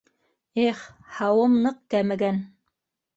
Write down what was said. Эх!.. — һауым ныҡ кәмегән.